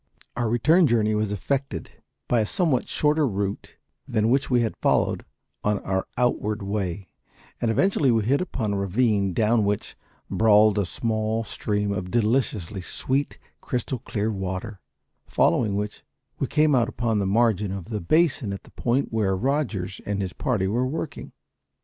Our return journey was effected by a somewhat shorter route than that which we had followed on our outward way, and eventually we hit upon a ravine down which brawled a small stream of deliciously sweet crystal clear water, following which we came out upon the margin of the basin at the point where Rogers and his party were working.